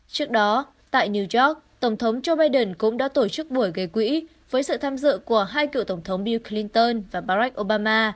trước đó tại new york tổng thống joe biden cũng đã tổ chức buổi gây quỹ với sự tham dự của hai cựu tổng thống new clinton và barack obama